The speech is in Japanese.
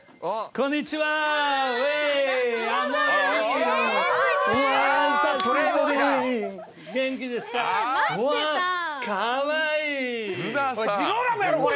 これジローラモやろこれ！